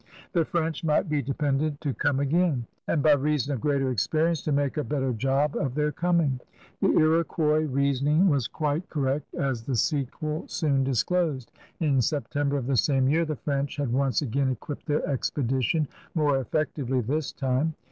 The French might be depended to come again and, by reason of greater experience, to make a better job of their coming. The Iroqucis reasoning was quite THE AGE OF LOUIS QUATORZE 77 correct, as the sequel soon disclosed. In Septem ber of the same year the French had once again equipped their expedition, more effectively this time.